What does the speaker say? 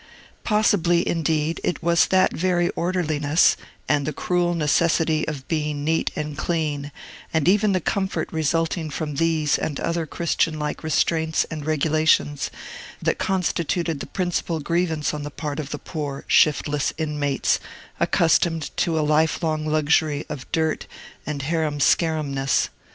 Possibly, indeed, it was that very orderliness, and the cruel necessity of being neat and clean, and even the comfort resulting from these and other Christian like restraints and regulations, that constituted the principal grievance on the part of the poor, shiftless inmates, accustomed to a lifelong luxury of dirt and harum scarumness.